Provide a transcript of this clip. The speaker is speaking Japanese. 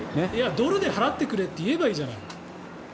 ドルで払ってくれって言えばいいじゃない。